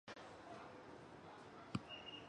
铁狮自明朝起就已出现残毁迹象。